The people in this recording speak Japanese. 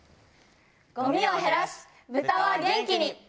ゴミを減らし豚は元気に！